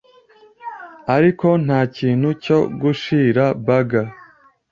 Ariko ntakintu cyo gushira burger